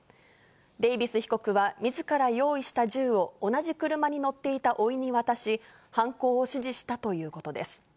デイビス被告は、みずから用意した銃を、同じ車に乗っていたおいに渡し、犯行を指示したということです。